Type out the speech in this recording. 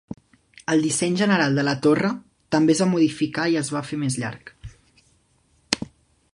El disseny general de la torre també es va modificar i es va fer més llarg.